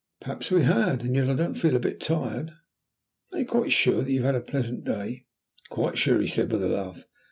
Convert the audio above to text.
"Perhaps we had, and yet I don't feel a bit tired." "Are you quite sure that you have had a pleasant day?" "Quite sure," he said, with a laugh.